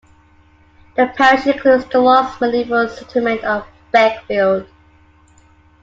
The parish includes the lost Medieval settlement of Beckfield.